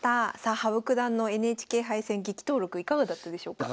羽生九段のＮＨＫ杯戦激闘録いかがだったでしょうか？